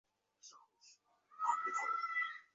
তিনি "কুনইয়া" Abu 'Amr নামেও পরিচিত।